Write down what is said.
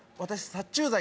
殺虫剤